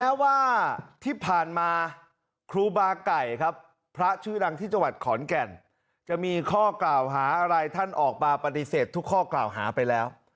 แม้ว่าที่ผ่านมาครูบาไก่ครับพระชื่อดังที่จังหวัดขอนแก่นจะมีข้อกล่าวหาอะไรท่านออกมาปฏิเสธทุกข้อกล่าวหาไปแล้ว